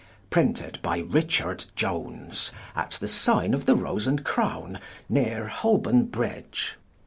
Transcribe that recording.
Printed by Richard Ihones: at the signe of the Rose and Crowne neere Holborne Bridge.